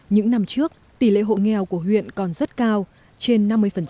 những năm trước tỷ lệ hộ nghèo của huyện còn rất cao trên năm mươi